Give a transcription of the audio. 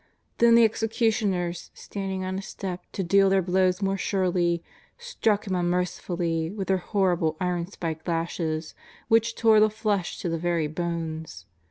Then the executioners, standing on a step to deal their blow^s more surely, struck Him unmercifully with their horrible iron spiked lashes, w^hich tore the flesh to the very bones.